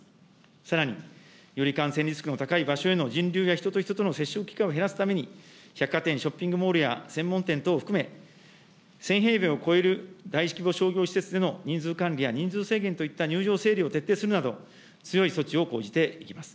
さらに、より感染リスクの高い場所への人流や人と人との接触機会を減らすために、百貨店、ショッピングモールや専門店等を含め、１０００平米を超える大規模商業施設での人数管理や人数制限といった入場整理を徹底するなど、強い措置を講じていきます。